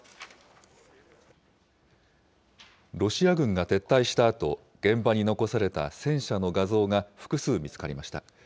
ロシア軍が撤退したあと、現場に残された戦車の画像が複数見つかりました。